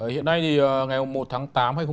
hiện nay thì ngày một tháng tám hai nghìn một mươi tám